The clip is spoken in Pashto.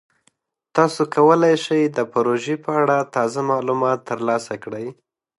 تاسو کولی شئ د پروژې په اړه تازه معلومات ترلاسه کړئ.